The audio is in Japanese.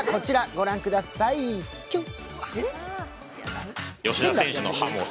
ご覧ください、キュン！